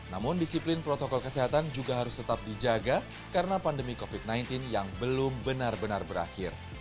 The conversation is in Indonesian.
namun disiplin protokol kesehatan juga harus tetap dijaga karena pandemi covid sembilan belas yang belum benar benar berakhir